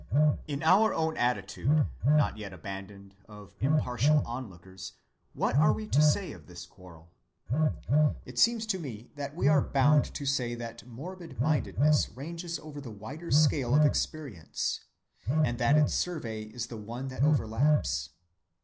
In our own attitude, not yet abandoned, of impartial onlookers, what are we to say of this quarrel? It seems to me that we are bound to say that morbid‐mindedness ranges over the wider scale of experience, and that its survey is the one that overlaps.